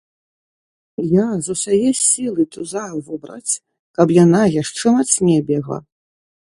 Я з усяе сілы тузаю вобраць, каб яна яшчэ мацней бегла.